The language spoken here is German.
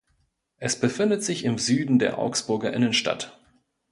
Es befindet sich im Süden der Augsburger Innenstadt.